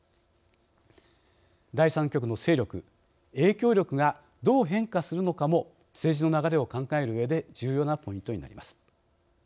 第３極の勢力影響力がどう変化するのかも政治の流れを考えるうえで重要なポイントになります。